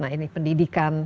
nah ini pendidikan